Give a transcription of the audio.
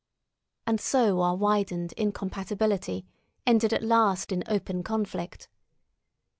And so our widened incompatibility ended at last in open conflict.